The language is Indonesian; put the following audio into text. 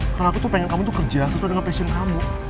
karena aku tuh pengen kamu kerja sesuai dengan passion kamu